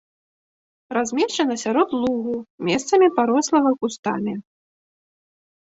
Размешчана сярод лугу, месцамі парослага кустамі.